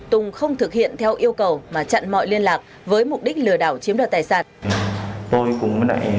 tùng không thực hiện theo yêu cầu mà chặn mọi liên lạc với mục đích lừa đảo chiếm đoạt tài sản